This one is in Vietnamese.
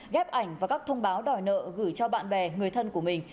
ghép ảnh và các thông báo đòi nợ gửi cho bạn bè người thân của mình